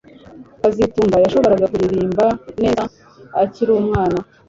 kazitunga yashoboraga kuririmba neza akiri umwana